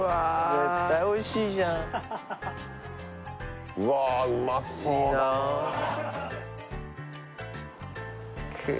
絶対おいしいじゃんうわうまそうだないいな